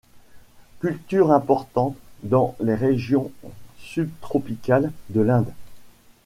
Culture importante dans les régions subtropicales de l'Inde.